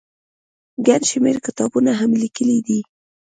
ګڼ شمېر کتابونه هم ليکلي دي